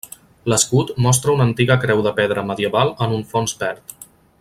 L'escut mostra una antiga creu de pedra medieval en un fons verd.